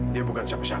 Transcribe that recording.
dia bukan siapa siapa